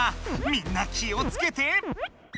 みんな気をつけて！